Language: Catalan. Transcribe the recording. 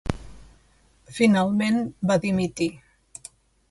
Finalment va dimitir.